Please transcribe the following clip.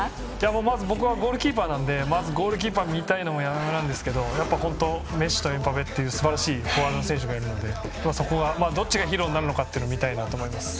まず僕はゴールキーパーなのでゴールキーパーを見たいのはやまやまですがメッシとエムバペというすばらしいフォワードの選手がいるのでどっちがヒーローになるか見たいと思います。